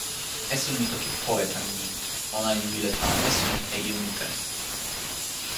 esun li toki powe tan ni: ona li wile pana esun e ijo mute.